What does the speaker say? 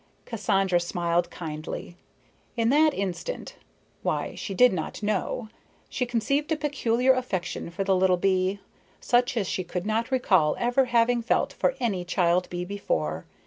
Cassandra smiled kindly. In that instant why, she did not know she conceived a peculiar affection for the little bee, such as she could not recall ever having felt for any child bee before.